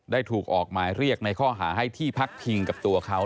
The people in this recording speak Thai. ได้ถูกออกหมายเรียกในข้อหาให้ที่พักพิงกับตัวเขา